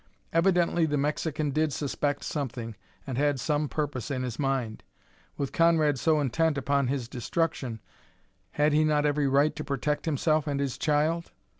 Evidently the Mexican did suspect something and had some purpose in his mind. With Conrad so intent upon his destruction had he not every right to protect himself and his child?